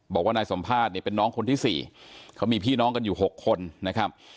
บอกว่านายสมภาษณ์เนี่ยเป็นน้องคนที่๔เขามีพี่น้องกันอยู่๖คนนะครับ